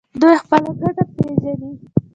دوی خپله ګټه پیژني.